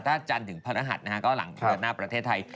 ถ้าจันถึงพันธหัสก็หลังเวียดหน้าประเทศไทย